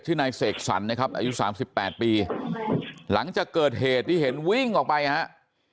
ที่นายเสกสรรนะครับอายุ๓๘ปีหลังจากเกิดเหตุที่เห็นวิ่งออกไปนะครับ